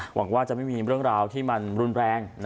หวังว่าจะไม่มีเรื่องราวที่มันรุนแรง